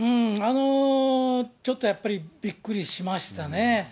ちょっとやっぱりびっくりしましたね。